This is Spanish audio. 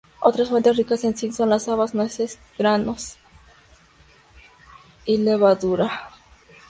Otras fuentes ricas en zinc son las habas, nueces, granos enteros y levadura.